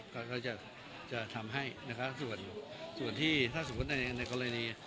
ก็จะทำให้ส่วนที่ถ้าสมมุติในกรณี